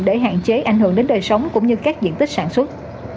để hạn chế ảnh hưởng đến đời sống cũng như các diện tích sản xuất